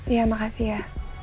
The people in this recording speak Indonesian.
ya makasih ya